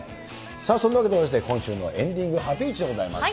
さあ、そんなわけで今週のエンディングはハピイチでございます。